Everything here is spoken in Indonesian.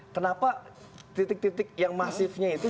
kenapa titik titik yang masifnya itu